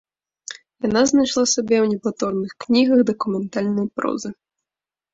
Яна знайшла сябе ў непаўторных кнігах дакументальнай прозы.